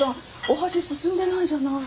お箸進んでないじゃない。